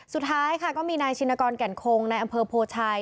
สุดท้ายค่ะก็มีนายชินกรแก่นคงในอำเภอโพชัย